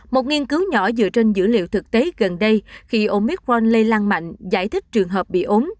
một nghiên cứu nhỏ dựa trên dữ liệu thực tế gần đây khi omicron lây lan mạnh giải thích trường hợp bị ốm